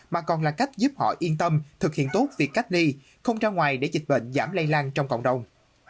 mà còn là cách giúp họ yên tâm thực hiện tốt việc cách ly không ra ngoài để dịch bệnh giảm lây lan trong cộng đồng